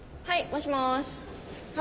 はい。